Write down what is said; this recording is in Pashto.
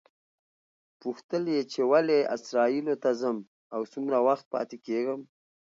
پوښتل یې چې ولې اسرائیلو ته ځم او څومره وخت پاتې کېږم.